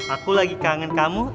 aku lagi kangen kamu